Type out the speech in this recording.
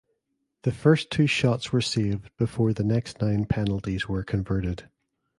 The first two shots were saved before the next nine penalties were converted.